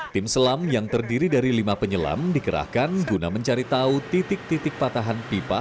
tim selam yang terdiri dari lima penyelam dikerahkan guna mencari tahu titik titik patahan pipa